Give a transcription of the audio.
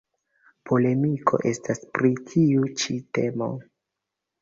Polemiko estas pri tiu ĉi temo.